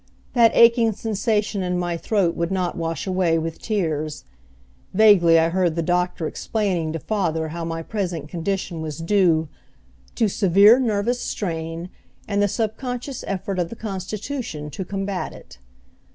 That aching sensation in my throat would not wash away with tears. Vaguely I heard the doctor explaining to father how my present condition was due "to severe nervous strain, and the subconscious effort of the constitution to combat it."